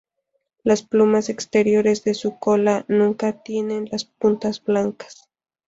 Las plumas exteriores de su cola nunca tienen las puntas blancas.